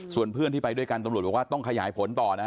ส่วนเพื่อนที่ไปด้วยกันตำรวจบอกว่าต้องขยายผลต่อนะฮะ